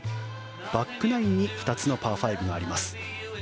バックナインに２つのパー５があります。